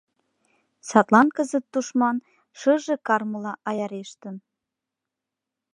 Садлан кызыт тушман шыже кармыла аярештын.